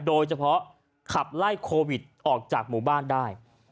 โดยเฉพาะขับไล่โควิดออกจากหมู่บ้านได้